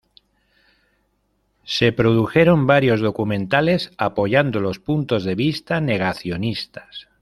Se produjeron varios documentales apoyando los puntos de vista negacionistas.